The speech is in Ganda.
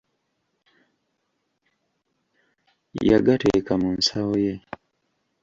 Yagateeka mu nsawo ye.